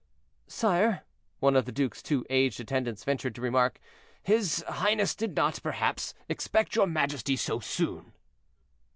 "Sire," one of the duke's two aged attendants ventured to remark, "his highness did not, perhaps, expect your majesty so soon."